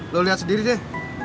lo lihat sendiri deh